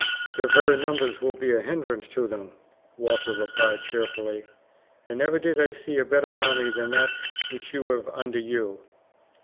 "Their very numbers will be a hindrance to them," Walter replied cheerfully; "and never did I see a better army than that which you have under you.